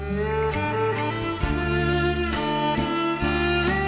ขอบคุณครับ